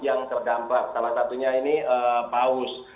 yang terdampak salah satunya ini paus